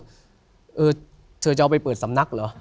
เธอจะเอาไปเปิดสำนักเหรอ